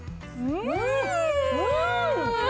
うん！